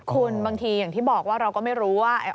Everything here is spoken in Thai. คุณบางทีอย่างที่บอกว่าเราก็ไม่รู้ว่า